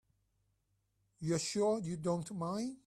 You're sure you don't mind?